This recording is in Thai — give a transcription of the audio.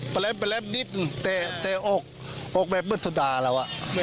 มันจะมีความซ่าอยู่ในตัว